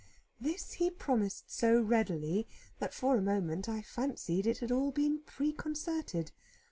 This he promised so readily, that, for a moment, I fancied it had all been preconcerted.